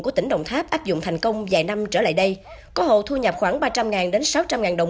của tỉnh đồng tháp áp dụng thành công vài năm trở lại đây có hộ thu nhập khoảng ba trăm linh đến sáu trăm linh đồng